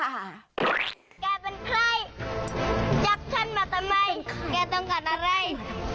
แกเป็นใครจับฉันมาทำไมแกต้องการอะไร